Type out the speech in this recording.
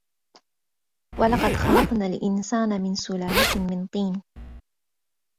ولقد خلقنا الإنسان من سلالة من طين